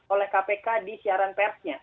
oleh kpk di siaran persnya